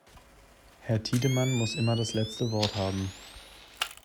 Herr Tiedemann muss immer das letzte Wort haben.